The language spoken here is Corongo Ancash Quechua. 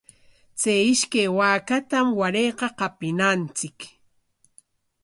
Chay ishkay waakatam warayqa qapinachik.